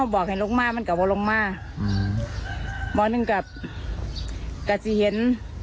บอกแค่ลงมามันกลับมาอือมองถึงกับกัลต์ซีเฮ้น